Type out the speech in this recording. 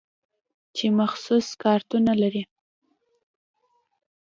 چې مخصوص کارتونه لري.